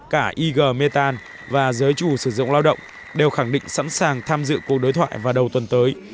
cả ig metan và giới chủ sử dụng lao động đều khẳng định sẵn sàng tham dự cuộc đối thoại vào đầu tuần tới